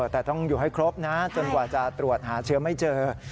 แต่ต้องอยู่ให้ครบนะจนกว่าจะตรวจหาเชื้อไม่เจอ